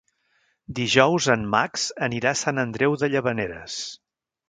Dijous en Max anirà a Sant Andreu de Llavaneres.